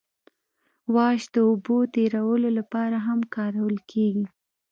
واش د اوبو تیرولو لپاره هم کارول کیږي